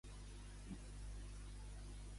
Se sap qui passa a la final de la Supercopa?